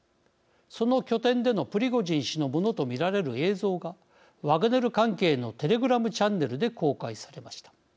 その拠点でのプリゴジン氏のものと見られる映像がワグネル関係のテレグラムチャンネルで公開されました。